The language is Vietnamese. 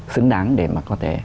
xứng đáng để mà có thể